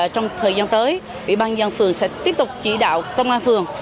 trong thời gian tới ủy ban dân phường sẽ tiếp tục chỉ đạo công an phường